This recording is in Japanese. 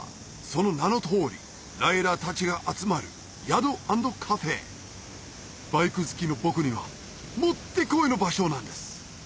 その名の通りライダーたちが集まる宿＆カフェバイク好きの僕にはもってこいの場所なんです